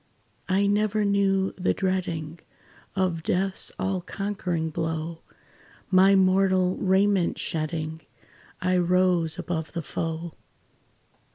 "I never knew the dreading Of death's all conquering blow; My mortal raiment shedding, I rose above the foe.